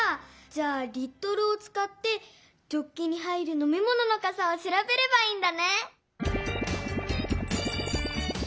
じゃあ「リットル」をつかってジョッキに入るのみものの「かさ」をしらべればいいんだね！